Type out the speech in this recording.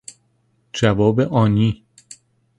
جواب آنی